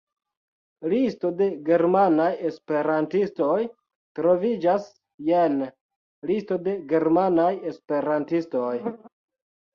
Listo de germanaj esperantistoj troviĝas jene: Listo de germanaj esperantistoj.